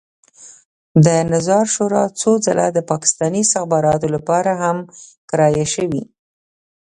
د نظار شورا څو ځله د پاکستاني استخباراتو لپاره هم کرایه شوې.